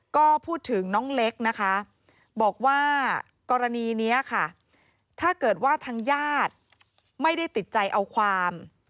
ก็พูดถึงน้องเล็กนะคะบอกว่ากรณีนี้ค่ะถ้าเกิดว่าทางญาติไม่ได้ติดใจเอาความ